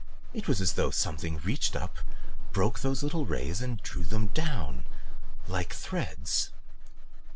"It was as though something reached up, broke those rays and drew them down like threads."